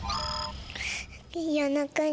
「夜中にさ」